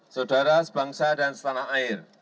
saudara sebangsa dan setanah air